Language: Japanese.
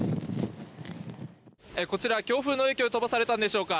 こちら、強風の影響で飛ばされたのでしょうか。